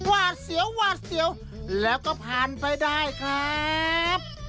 วาดเสียววาดเสียวแล้วก็ผ่านไปได้ครับ